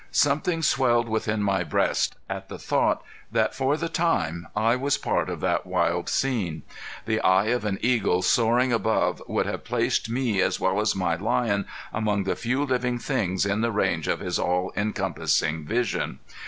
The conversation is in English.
Something swelled within my breast at the thought that for the time I was part of that wild scene. The eye of an eagle soaring above would have placed me as well as my lion among the few living things in the range of his all compassing vision.